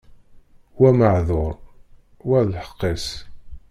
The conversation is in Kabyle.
Wa meɛduṛ, wa d lḥeqq-is.